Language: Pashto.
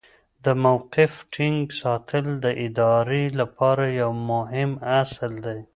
د موقف ټینګ ساتل د ادارې لپاره یو مهم اصل دی.